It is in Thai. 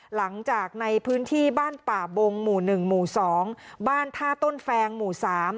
หลังจากในพื้นที่บ้านป่าบงหมู่๑หมู่๒บ้านท่าต้นแฟงหมู่สาม